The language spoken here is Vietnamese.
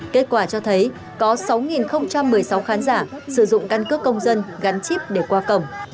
kết quả cho thấy có sáu một mươi sáu khán giả sử dụng căn cước công dân gắn chip để qua cổng